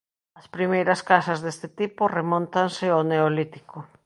As primeiras casas deste tipo remóntanse ao Neolítico.